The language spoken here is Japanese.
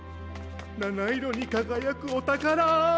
なないろにかがやくおたから！